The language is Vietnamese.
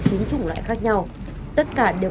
chín chủng loại khác nhau tất cả đều